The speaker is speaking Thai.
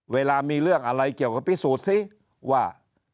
เวลามีเรื่องอะไรเกี่ยวกับพิสูจน์ซิว่า